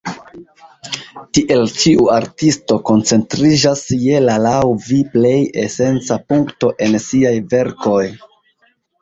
Tiel ĉiu artisto koncentriĝas je la laŭ vi plej esenca punkto en siaj verkoj.